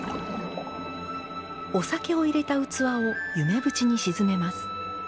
お酒を入れた器を夢淵に沈めます。